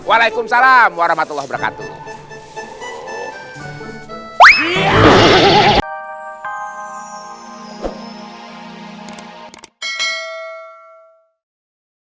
waalaikumsalam warahmatullahi wabarakatuh